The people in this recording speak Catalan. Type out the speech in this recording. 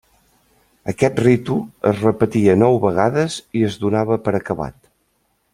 Aquest ritu es repetia nou vegades i es donava per acabat.